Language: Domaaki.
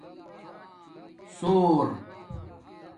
ثݹر